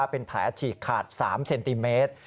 เป็นแผลฉีกขาด๓เซนติเมตร